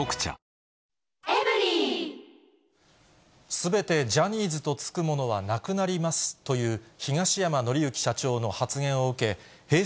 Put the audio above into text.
すべてジャニーズとつくものはなくなりますという、東山紀之社長の発言を受け、Ｈｅｙ！